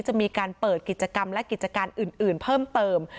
จะมีการเปิดกิจกรรมและกิจการอื่นเพิ่มเติม